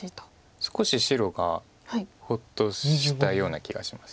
少し白がほっとしたような気がします。